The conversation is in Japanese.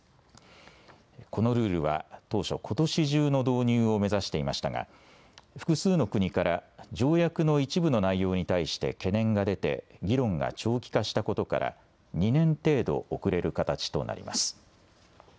このルールは当初、ことし中の導入を目指していましたが複数の国から条約の一部の内容に対して懸念が出て議論が長期化したことから２年程度遅れる形となります。